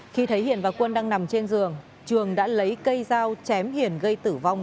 khi thấy hiền và quân đang nằm trên giường trường đã lấy cây dao chém hiền gây tử vong